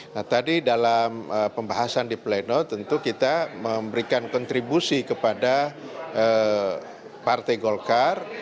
nah tadi dalam pembahasan di pleno tentu kita memberikan kontribusi kepada partai golkar